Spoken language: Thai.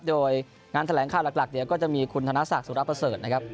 โดยงานแถลงข่าวหลักเดี๋ยวก็จะมีคุณธนศักดิ์สุรประเสริฐนะครับ